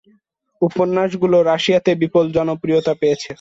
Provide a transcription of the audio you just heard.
উপন্যাসগুলো রাশিয়াতে বিপুল জনপ্রিয়তা পেয়েছে।